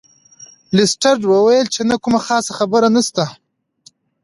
لیسټرډ وویل چې نه کومه خاصه خبره نشته.